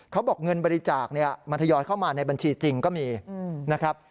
เขาบอกเงินบริจาคมันทยอยเข้ามาในบัญชีจริงก็มีนะครับ